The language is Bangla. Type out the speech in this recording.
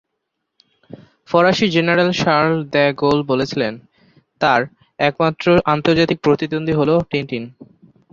ফরাসি জেনারেল শার্ল দ্য গোল বলেছিলেন, তাঁর "একমাত্র আন্তর্জাতিক প্রতিদ্বন্দ্বী হলো টিনটিন"।